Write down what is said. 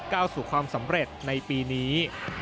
ก้าวสู่ความสำเร็จในปีนี้